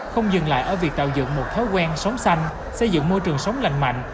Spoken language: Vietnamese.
không dừng lại ở việc tạo dựng một thói quen sống xanh xây dựng môi trường sống lành mạnh